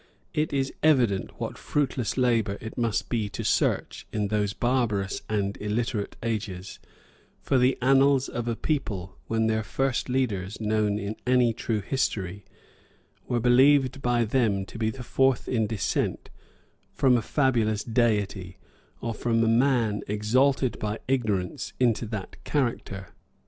It is evident what fruitless labor it must be to search, in those barbarous and illiterate ages, for the annals of a people, when their first leaders, known in any true history, were believed by them to be the fourth in descent from a fabulous deity, or from a man exalted by ignorance into that character.